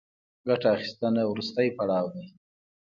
ګټه اخیستنه وروستی پړاو دی